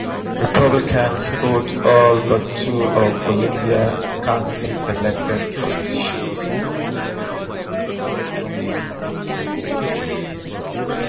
Republicans hold all but two of Bollinger County's elected positions.